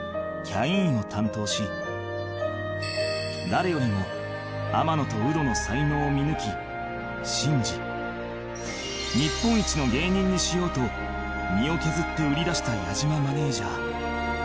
誰よりも天野とウドの才能を見抜き信じ「日本一の芸人にしよう」と身を削って売り出した矢島マネジャー